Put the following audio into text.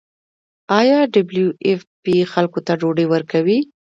آیا ډبلیو ایف پی خلکو ته ډوډۍ ورکوي؟